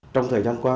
trong thời gian qua